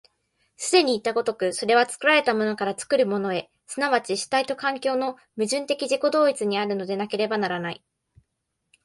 既にいった如く、それは作られたものから作るものへ、即ち主体と環境との矛盾的自己同一にあるのでなければならない。